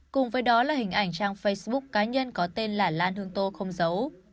cùng với đó là hình ảnh trang facebook cá nhân có tên là lanh hương tô không giấu